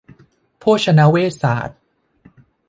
โภชนเวชศาสตร์